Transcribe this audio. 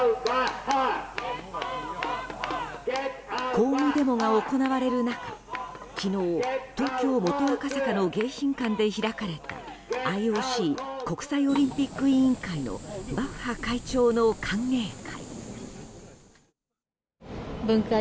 抗議デモが行われる中昨日、東京・元赤坂の迎賓館で開かれたＩＯＣ・国際オリンピック委員会のバッハ会長の歓迎会。